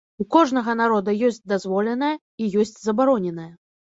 У кожнага народа ёсць дазволенае і ёсць забароненае.